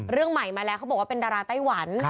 เรื่องใหม่มาแล้วเขาบอกว่าเป็นดาราไต้หวัน